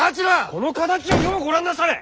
この形をようご覧なされ！